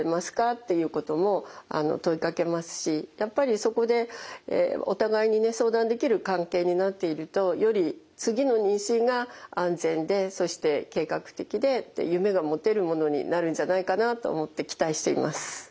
っていうことも問いかけますしやっぱりそこでお互いにね相談できる関係になっているとより次の妊娠が安全でそして計画的で夢が持てるものになるんじゃないかなと思って期待しています。